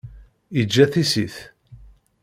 Yeǧǧa tissit.